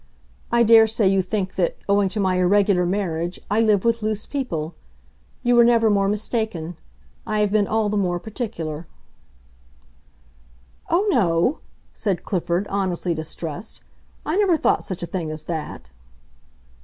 I dare say you think that, owing to my irregular marriage, I live with loose people. You were never more mistaken. I have been all the more particular." "Oh, no," said Clifford, honestly distressed. "I never thought such a thing as that."